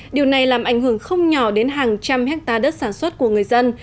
điều này làm ảnh hưởng không nhỏ đến hàng trăm hectare đất sản xuất của người dân